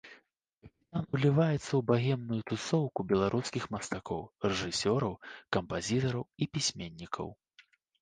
Капітан уліваецца ў багемную тусоўку беларускіх мастакоў, рэжысёраў, кампазітараў і пісьменнікаў.